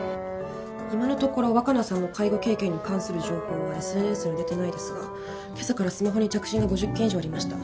今のところ若菜さんの介護経験に関する情報はＳＮＳに出てないですがけさからスマホに着信が５０件以上ありました。